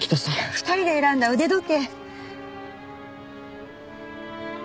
２人で選んだ腕時計。